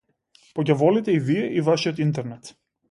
По ѓаволите и вие и вашиот интернет.